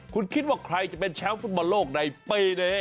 คุณคิดว่าใครจะเป็นแชมป์ฟุตบอลโลกในปีนี้